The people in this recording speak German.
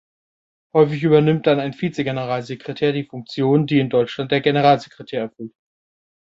Häufig übernimmt dann ein Vizegeneralsekretär die Funktionen, die in Deutschland der Generalsekretär erfüllt.